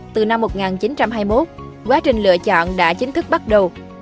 từ năm một nghìn chín trăm hai mươi một quá trình lựa chọn đã chính thức bắt đầu